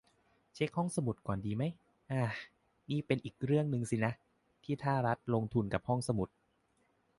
เช็คห้องสมุดก่อนดีไหม อา นี่เป็นอีกเรื่องสินะ ที่ถ้ารัฐลงทุนกับห้องสมุด